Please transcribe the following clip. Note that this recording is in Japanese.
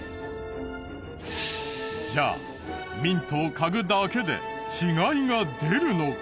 じゃあミントを嗅ぐだけで違いが出るのか？